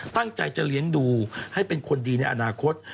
ตั้งใจจะเลี้ยงดูให้เป็นคนดีในอนาคต